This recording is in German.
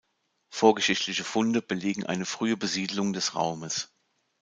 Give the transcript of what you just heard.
Vorgeschichtliche Funde belegen eine frühe Besiedlung des Raumes.